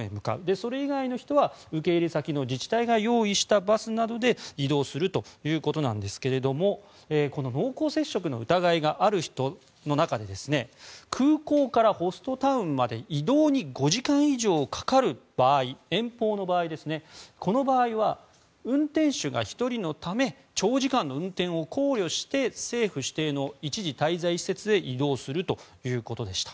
それ以外の人は受け入れ先の自治体が用意したバスなどで移動するということなんですがこの濃厚接触の疑いがある人の中で空港からホストタウンまで移動に５時間以上かかる場合遠方の場合は運転手が１人のため長時間の運転を考慮して政府指定の一時滞在施設へ移動するということでした。